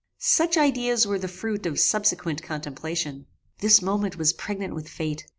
Such ideas were the fruit of subsequent contemplation. This moment was pregnant with fate.